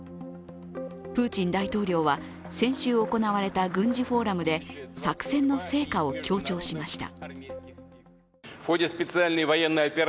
プーチン大統領は先週行われた軍事フォーラムで作戦の成果を強調しました。